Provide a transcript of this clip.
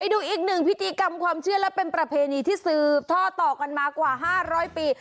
ดูอีกหนึ่งพิธีกรรมความเชื่อและเป็นประเพณีที่สืบท่อต่อกันมากว่า๕๐๐ปี